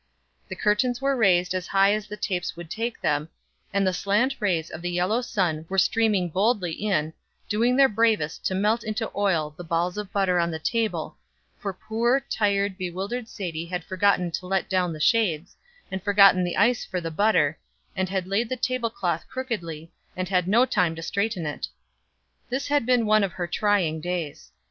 The curtains were raised as high as the tapes would take them, and the slant rays of the yellow sun were streaming boldly in, doing their bravest to melt into oil the balls of butter on the table, for poor, tired, bewildered Sadie had forgotten to let down the shades, and forgotten the ice for the butter, and had laid the table cloth crookedly, and had no time to straighten it. This had been one of her trying days.